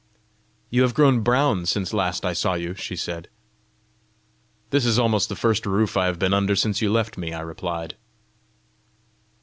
"You have grown brown since last I saw you," she said. "This is almost the first roof I have been under since you left me," I replied.